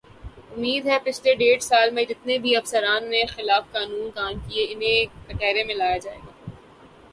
امید ہے پچھلے ڈیڑھ سال میں جتنے بھی افسران نے خلاف قانون کام کیے انہیں کٹہرے میں لایا جائے گا